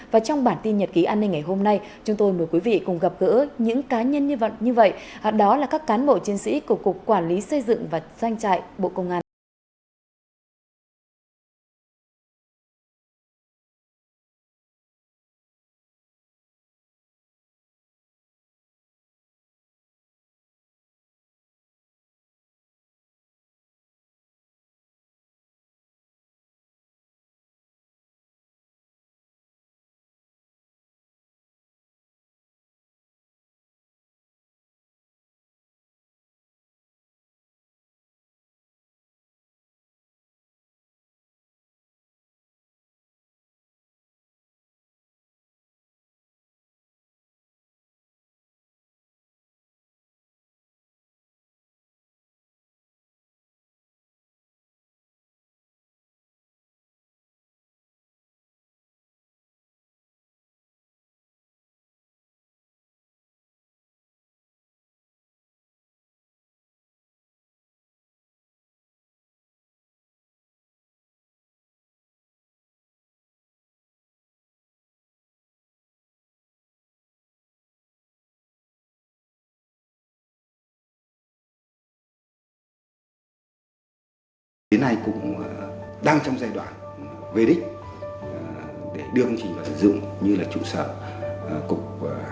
và trong bản tin nhật ký an ninh ngày hôm nay chúng tôi mời quý vị cùng gặp gỡ những cá nhân như vậy đó là các cán bộ chiến sĩ của cục quản lý xây dựng và doanh trại bộ công an